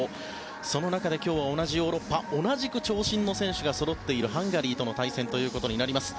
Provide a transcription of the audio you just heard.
その中で、今日は同じヨーロッパ同じく長身の選手がそろっているハンガリーとの対戦ということになります。